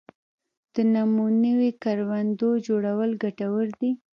د نمونوي کروندو جوړول ګټور دي